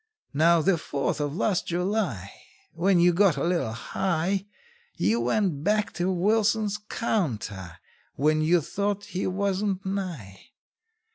How, the Fourth of last July, When you got a little high, You went back to Wilson's counter when you thought he wasn't nigh?